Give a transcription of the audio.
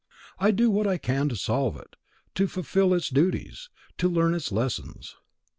I do what I can to solve it, to fulfil its duties, to learn its lessons.